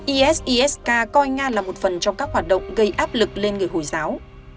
is isk coi nga là một phần trong các hoạt động gây áp lực lên người hồi giáo